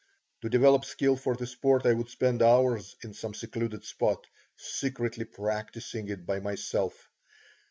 To develop skill for the sport I would spend hours in some secluded spot, secretly practising it by myself.